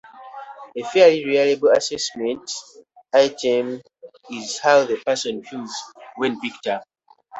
A fairly reliable assessment item is how the person feels when picked up.